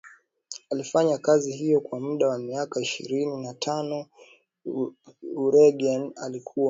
Alifanya kazi hiyo kwa muda wa miaka ishirini na tano Origene alikuwa